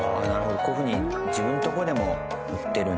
こういうふうに自分のとこでも売ってるんですね。